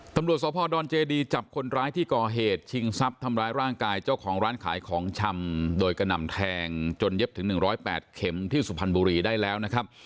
ตำรวจสพดอนเจดีจับคนร้ายที่ก่อเหตุชิงทรัพย์ทำร้ายร่างกายเจ้าของร้านขายของชำโดยกระหน่ำแทงจนเย็บถึง๑๐๘เข็มที่สุพรรณบุรีได้แล้วนะครับ